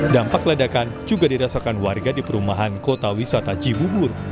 dampak ledakan juga dirasakan warga di perumahan kota wisata cibubur